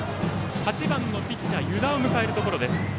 ８番のピッチャー、湯田を迎えるところです。